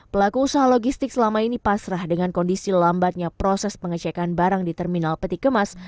pelaku usaha logistik selama ini pasrah dengan kondisi lambatnya proses pengecekan barang di terminal peti kemas